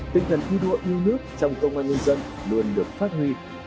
tinh thần thi đua yêu nước trong công an nhân dân luôn được phát huy